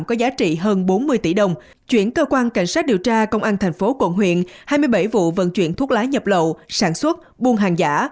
có giá trị hơn bốn mươi tỷ đồng chuyển cơ quan cảnh sát điều tra công an thành phố quận huyện hai mươi bảy vụ vận chuyển thuốc lá nhập lậu sản xuất buôn hàng giả